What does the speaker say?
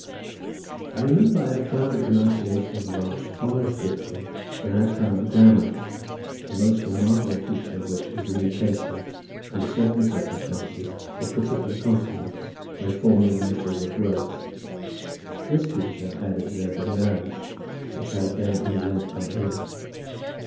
I remember that I found the pronunciation of the Welsh far less difficult than I had found the grammar, the most remarkable feature of which is the mutation, under certain circumstances, of particular consonants, when forming the initials of words. This feature I had observed in the Irish, which I had then only learnt by ear.